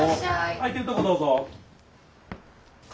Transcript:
空いてるとこどうぞ。